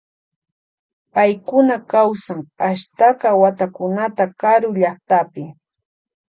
Paykuna kawsan ashtaka watakunata karu llaktapi.